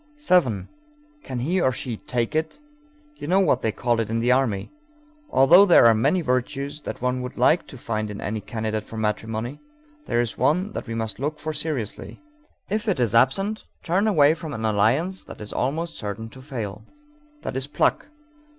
7. Can he, or she, "take it"? You know what they call it in the army. Although there are many virtues that one would like to find in any candidate for matrimony, there is one that we must look for seriously; if it is absent, turn away from an alliance that is almost certain to fail. That is pluck.